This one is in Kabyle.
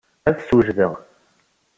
Ad t-swejdeɣ.